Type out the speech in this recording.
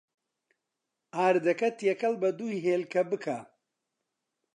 ئاردەکە تێکەڵ بە دوو هێلکە بکە.